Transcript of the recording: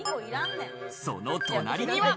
その隣には。